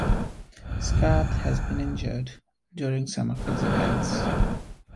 Scott has been injured during some of his events.